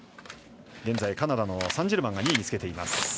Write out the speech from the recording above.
現在、カナダのサンジェルマンが２位につけています。